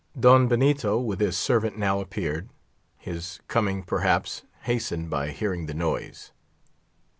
Don Benito, with his servant, now appeared; his coming, perhaps, hastened by hearing the noise.